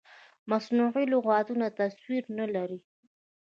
مصنوعي لغتونه تصویر نه لري.